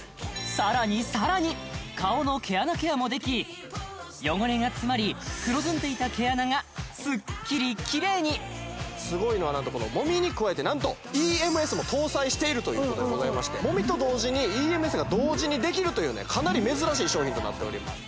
さらにさらに顔の毛穴ケアもでき汚れが詰まり黒ずんでいた毛穴がスッキリキレイにすごいのはなんとこの揉みに加えてなんとＥＭＳも搭載しているということでございまして揉みと同時にＥＭＳが同時にできるというねかなり珍しい商品となっております